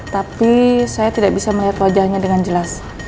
tapi saya tidak bisa melihat wajahnya dengan jelas